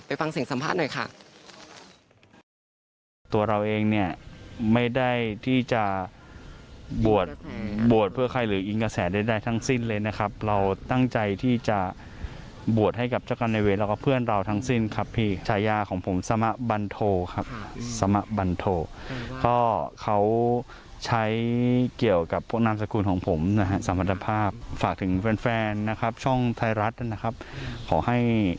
ฟังเสียงสัมภาษณ์หน่อยค่ะ